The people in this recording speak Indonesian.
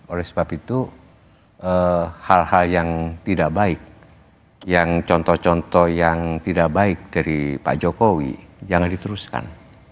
oleh sebab itu hal hal yang tidak baik yang contoh contoh yang tidak baik dari pak jokowi jangan diteruskan